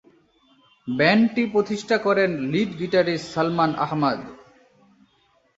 ব্যান্ডটি প্রতিষ্ঠা করেন lead guitarist Salman Ahmad.